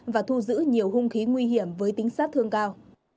và thu giữ nhiều hung khí nguy hiểm với tính sát thương cao